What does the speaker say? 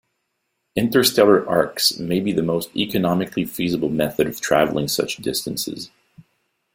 Interstellar arks may be the most economically feasible method of traveling such distances.